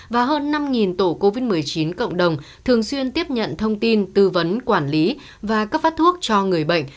và hơn năm tổ covid một mươi chín cộng đồng thường xuyên tiếp nhận thông tin tư vấn quản lý và cấp phát thuốc cho người bệnh